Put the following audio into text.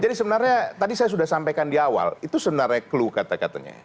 jadi sebenarnya tadi saya sudah sampaikan di awal itu sebenarnya clue kata katanya